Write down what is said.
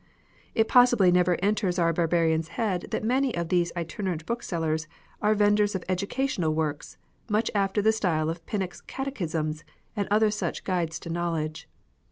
It possibly never enters our barbarian's head that many of these itinerant book sellers are vendors of educational works, much after the style of Pinnock's Catechisms and other such guides to knowledge.